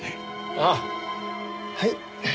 あっはい。